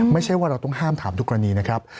ไม่ใช่ว่าเราต้องห้ามถามทุกกรณีนะครับ